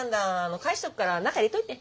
返しとくから中入れといて。